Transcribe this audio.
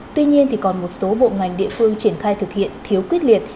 tuy nhiên còn một số bộ ngành địa phương triển khai thực hiện thiếu quyết liệt